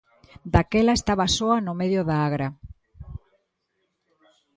Daquela estaba soa no medio da agra.